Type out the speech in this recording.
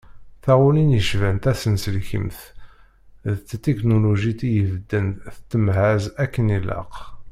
Taɣulin yecban tasenselkimt d tetiknulujit i yebdan tettemhaz akken ilaq.